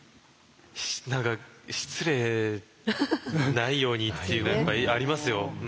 何か失礼ないようにっていうのはやっぱりありますよ。